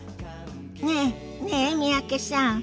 ねえねえ三宅さん。